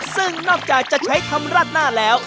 ซึ่งนอกจากจะใช้ทำราดหน้าแล้ว